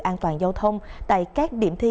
an toàn giao thông tại các điểm thi